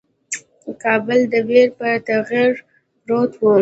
کابل د ویر پر ټغر پروت وو.